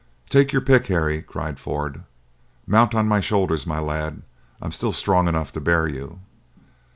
"Take your pick, Harry," cried Ford; "mount on my shoulders, my lad! I am still strong enough to bear you!"